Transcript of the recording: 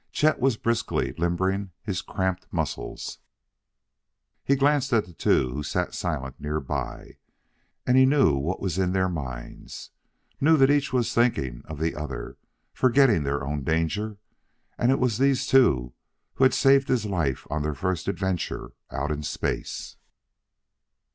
Chet was briskly limbering his cramped muscles. He glanced at the two who sat silent nearby, and he knew what was in their minds knew that each was thinking of the other, forgetting their own danger; and it was these two who had saved his life on their first adventure out in space.